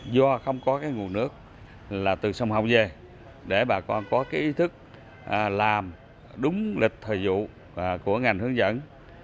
do không có cái nguồn nước là từ sông hậu về để bà con có cái ý thức làm đúng lịch thời vụ của ngành hướng dẫn